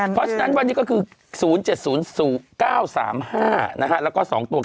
เพราะฉะนั้นวันนี้ก็คือ๐๗๐๐๙๓๕แล้วก็๒ตัว๙